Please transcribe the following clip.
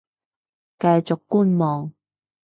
繼續觀望